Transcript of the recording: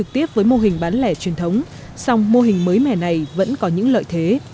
tiếp với mô hình bán lẻ truyền thống song mô hình mới mẻ này vẫn có những lợi thế